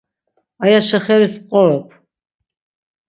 Aya şexeris p̌qorop.